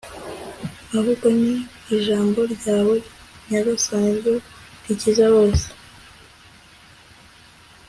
ahubwo ni ijambo ryawe, nyagasani, ryo rikiza bose